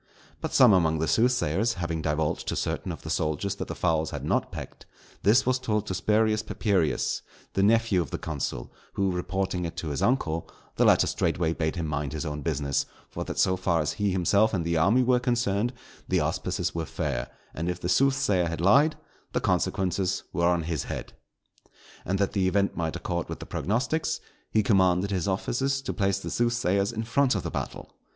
But some among the soothsayers having divulged to certain of the soldiers that the fowls had not pecked, this was told to Spurius Papirius, the nephew of the consul, who reporting it to his uncle, the latter straightway bade him mind his own business, for that so far as he himself and the army were concerned, the auspices were fair; and if the soothsayer had lied, the consequences were on his head. And that the event might accord with the prognostics, he commanded his officers to place the soothsayers in front of the battle.